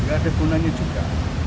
ada gunanya juga